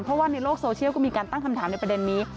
เพราะว่าในโลกโซเชียลก็มีการตั้งคำถามในประเด็นนี้